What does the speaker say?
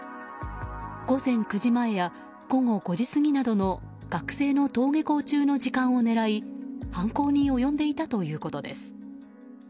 午前９時前や午後５時過ぎなどの学生の登下校中の時間を狙い犯行に及んでいたということです。